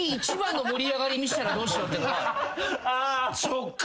そっか。